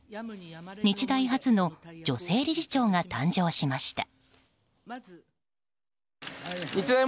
日大初の女性理事長が誕生しました。